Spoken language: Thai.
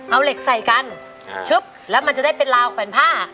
เอาเหล็กใส่กันชุบแล้วมันจะได้เป็นราวแขวนผ้า